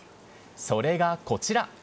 それがこちら。